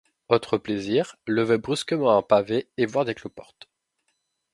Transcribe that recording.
Autre plaisir, lever brusquement un pavé, et voir des cloportes.